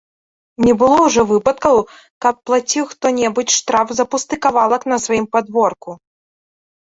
Не было ўжо выпадкаў, каб плаціў хто-небудзь штраф за пусты кавалак на сваім падворку.